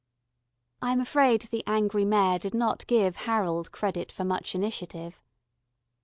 I am afraid the angry Mayor did not give Harold credit for much initiative.